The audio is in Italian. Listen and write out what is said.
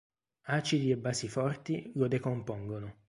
Acidi e basi forti lo decompongono.